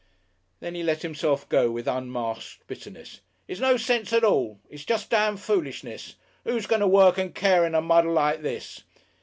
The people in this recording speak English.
Then he let himself go, with unmasked bitterness. "It's no sense at all. It's jest damn foolishness. Who's going to work and care in a muddle like this?